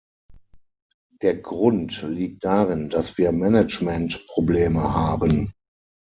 Der Grund liegt darin, dass wir Managementprobleme haben.